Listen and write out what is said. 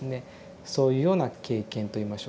そういうような経験といいましょうか。